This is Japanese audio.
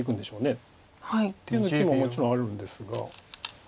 手を抜く手ももちろんあるんですが。